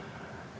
saya juga merasa